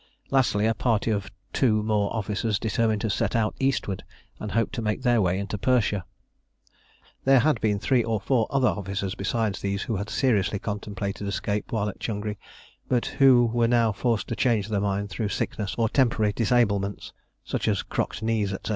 Lastly, a party of two more officers determined to set out eastward, and hoped to make their way into Persia. There had been three or four other officers beside these who had seriously contemplated escape while at Changri, but who were now forced to change their mind through sickness or temporary disablements, such as crocked knees, &c.